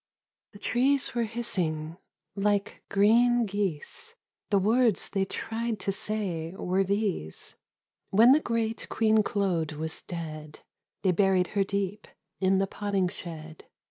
The trees were hissing like green geese .... The words they tried to say were these :" When the great Queen Claude was dead They buried her deep in the potting shed.